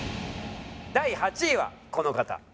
第８位はこの方。